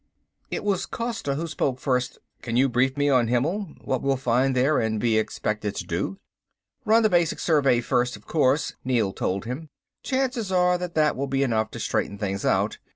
It was Costa who spoke first. "Can you brief me on Himmel what we'll find there, and be expected to do?" "Run the basic survey first, of course," Neel told him. "Chances are that that will be enough to straighten things out.